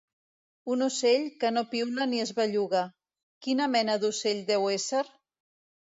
Un ocell, que no piula ni es belluga… quina mena d'ocell deu ésser?